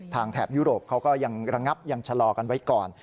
แถบยุโรปเขาก็ยังระงับยังชะลอกันไว้ก่อน